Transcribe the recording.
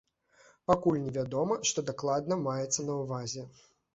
Пакуль невядома, што дакладна маецца на ўвазе.